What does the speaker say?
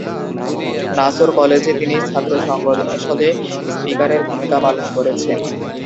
নাসর কলেজে তিনি ছাত্র সংসদে স্পিকারের ভূমিকা পালন করেছেন।